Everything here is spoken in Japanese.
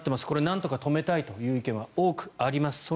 これ、なんとか止めたいという意見は多くあります。